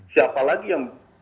siapa lagi yang